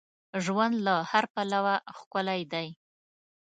ژوند له هر پلوه ښکلی دی.